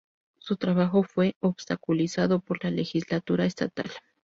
Su trabajo fue obstaculizado por la legislatura estatal.